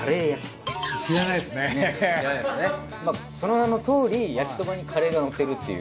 まあその名のとおり焼きそばにカレーがのってるっていう。